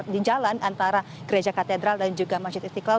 di jalan antara gereja katedral dan juga masjid istiqlal